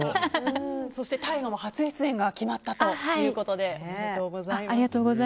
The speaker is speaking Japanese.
大河も初出演が決まったということでおめでとうございます。